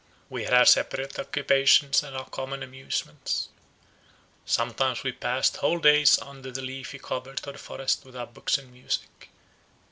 We had our separate occupations and our common amusements. Sometimes we passed whole days under the leafy covert of the forest with our books and music.